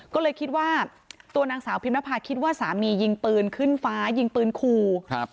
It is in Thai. ก็เลยคิดว่าตัวนางสาวพิมนภาคิดว่าสามียิงปืนขึ้นฟ้ายิงปืนคู่ครับ